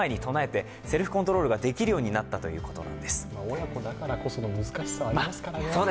親子だからこその難しさはありますからね。